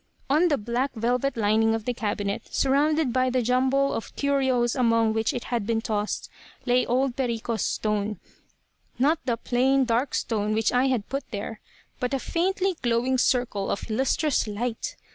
"On the black velvet lining of the cabinet, surrounded by the jumble of curios among which it had been tossed, lay old Perico's stone, not the plain, dark stone which I had put there, but a faintly glowing circle of lustrous light.